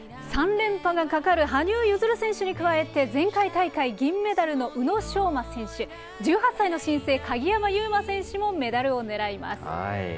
３連覇がかかる羽生結弦選手に加えて、前回大会銀メダルの宇野昌磨選手、１８歳の新星、鍵山優真選手もメダルをねらいます。